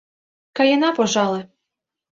— Каена, пожале...